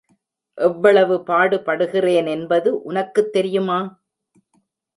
எவ்வளவு பாடுபடுகிறேனென்பது உனக்குத் தெரியுமா?